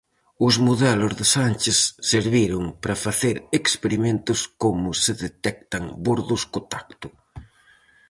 Os modelos de Sánchez serviron para facer experimentos como se detectan bordos co tacto.